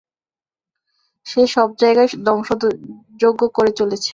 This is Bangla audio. সে সবজায়গায় ধ্বংসযজ্ঞ করে চলেছে।